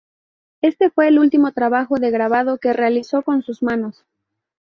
Este fue el último trabajo de grabado que realizó con sus manos.